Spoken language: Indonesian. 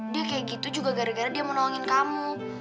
dia kayak gitu juga gara gara dia menolongin kamu